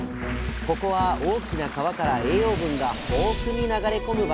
ここは大きな川から栄養分が豊富に流れ込む場所。